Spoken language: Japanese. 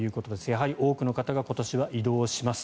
やはり多くの方が今年は移動します。